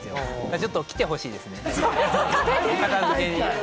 ちょっと来てほしいですね。